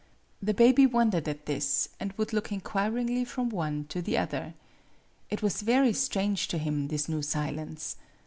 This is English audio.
The baby wondered at this, and would look in quiringly from one to the other. It was very strange to him, this new silence.